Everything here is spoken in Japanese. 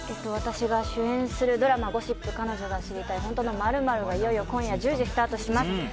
私が主演するドラマ「ゴシップ＃彼女が知りたい本当の○○」がいよいよ今夜１０時にスタートします。